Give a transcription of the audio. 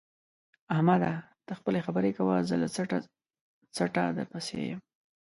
احمده! ته خپلې خبرې کوه زه له څټه څټه درپسې یم.